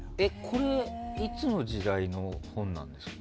これはいつの時代の本なんですか？